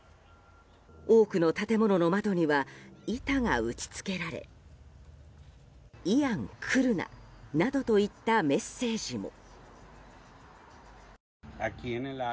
多くの建物の窓には板が打ち付けられ「イアン来るな！」などといったメッセージも。